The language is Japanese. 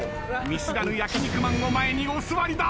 見知らぬ焼肉マンを前にお座りだ。